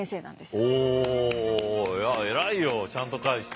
偉いよちゃんと返して。